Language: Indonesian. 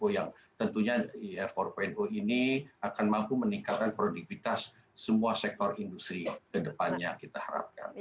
yang tentunya empat ini akan mampu meningkatkan produktivitas semua sektor industri ke depannya kita harapkan